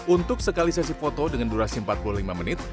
untuk sekali sesi foto dengan durasi empat puluh lima menit